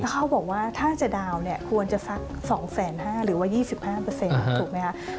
แล้วเขาบอกว่าถ้าจะดาวน์ควรจะสัก๒๕๐๐๐๐๐บาทหรือว่า๒๕ถูกไหมคะ